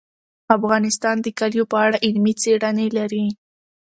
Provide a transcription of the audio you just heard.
افغانستان د کلیو په اړه علمي څېړنې لري.